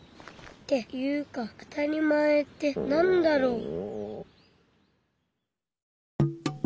っていうかあたりまえってなんだろう。